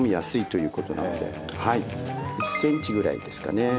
１ｃｍぐらいですかね。